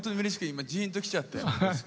今じーんときちゃって。